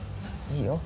いいよ。